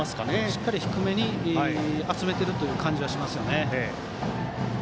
しっかり低めに集めている感じがしますね。